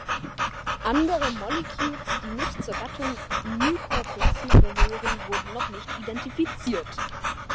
Andere Mollicutes, die nicht zur Gattung „Mycoplasma“ gehören, wurden noch nicht identifiziert.